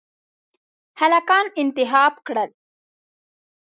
هلکان انتخاب کړل.